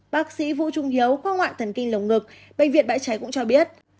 bác sĩ vũ trung hiếu khoa ngoại thần kinh lồng ngực bệnh viện bãi trái cũng cho biết